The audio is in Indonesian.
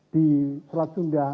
di selat sunda